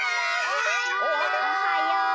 おはよう！